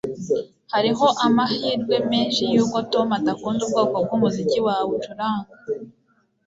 hariho amahirwe menshi yuko tom adakunda ubwoko bwumuziki wawe ucuranga